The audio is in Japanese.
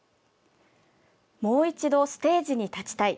もう一度ステージに立ちたい。